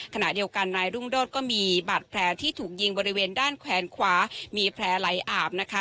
ขณะเดียวกันนายรุ่งโดดก็มีบาดแผลที่ถูกยิงบริเวณด้านแขวนขวามีแผลไหลอาบนะคะ